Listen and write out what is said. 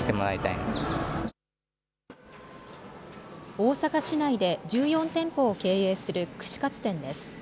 大阪市内で１４店舗を経営する串カツ店です。